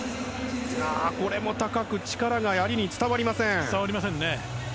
これも高く力がやりに伝わりません。